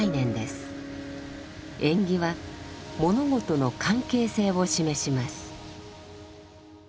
縁起は物事の関係性を示します。